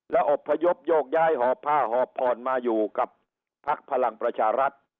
และอบพยพโยกย้ายห่อผ้าห่อพรมาอยู่กับภักดิ์พลังประชารัฐ